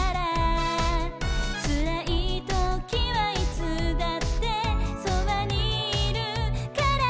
「つらいときはいつだってそばにいるから」